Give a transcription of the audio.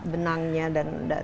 benangnya dan dagingnya